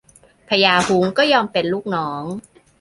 พญาฮุ้งก็ยอมเป็นลูกน้อง